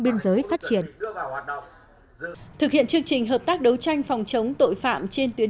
biên giới phát triển thực hiện chương trình hợp tác đấu tranh phòng chống tội phạm trên tuyến